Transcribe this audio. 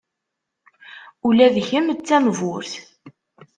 Ula d kemm d tamburt?